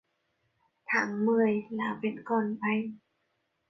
Tháng Mười lá vẫn còn bay